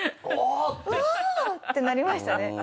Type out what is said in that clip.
うわ！ってなりましたね。